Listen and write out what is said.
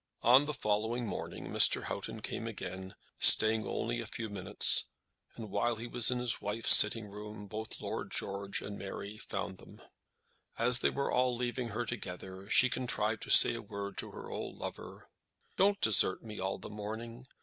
On the following morning Mr. Houghton came again, staying only a few minutes; and while he was in his wife's sitting room, both Lord George and Mary found them. As they were all leaving her together, she contrived to say a word to her old lover. "Don't desert me all the morning.